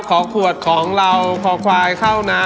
ขอขวดของลาวขอควายเข้าหนา